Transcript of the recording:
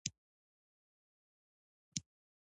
د شعر، ادب، سیاست او تاریخ په برخه کې یې لیکنې کړې.